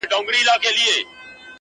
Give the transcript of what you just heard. o توره کښلې، کونه کښلې.